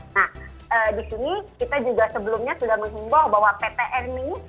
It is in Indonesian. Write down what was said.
nah di sini kita juga sebelumnya sudah menghimbau bahwa ptm ini